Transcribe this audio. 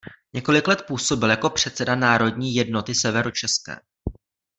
Několik let působil jako předseda Národní jednoty severočeské.